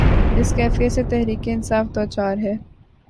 جس کیفیت سے تحریک انصاف دوچار ہے۔